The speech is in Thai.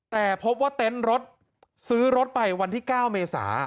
แต่พบว่าเต็นต์รถซื้อรถไปวันที่๙เมษา